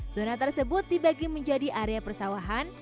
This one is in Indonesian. zona tersebut dibagi menjadi area persawahan